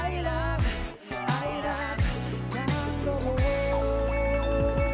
何度も」